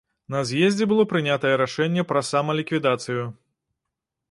На з'ездзе было прынятае рашэнне пра самаліквідацыю.